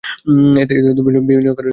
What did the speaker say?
এতে বিনিয়োগকারীরা বিভ্রান্ত হয়েছেন।